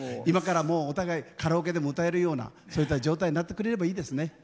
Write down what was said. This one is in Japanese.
今からもうお互いカラオケでも歌えるようなそういった状態になってくれればいいですね。